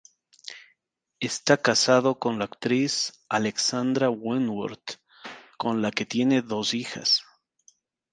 Está casado con la actriz Alexandra Wentworth, con la que tiene dos hijas.